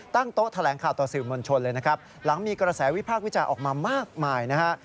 โต๊ะแถลงข่าวต่อสื่อมวลชนเลยนะครับหลังมีกระแสวิพากษ์วิจารณ์ออกมามากมายนะฮะ